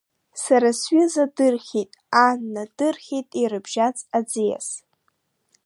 Сара сҩыза дырхьеит, Анна, дырхьеит ирыбжьаз аӡиас…